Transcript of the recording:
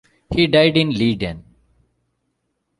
He died in Leiden.